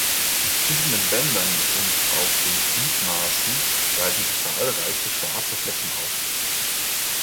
Zwischen den Bändern und auf den Gliedmaßen weisen sie zahlreiche schwarze Flecken auf.